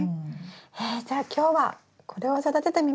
えじゃあ今日はこれを育ててみましょうか。